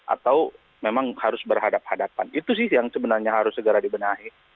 atau memang harus berhadapan hadapan itu sih yang sebenarnya harus segera dibenahi